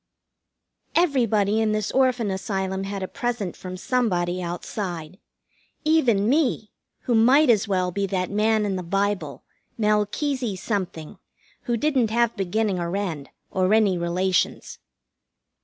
Everybody in this Orphan Asylum had a present from somebody outside. Even me, who might as well be that man in the Bible, Melchesey something, who didn't have beginning or end, or any relations.